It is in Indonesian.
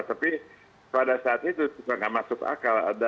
tapi pada saat itu juga nggak masuk akal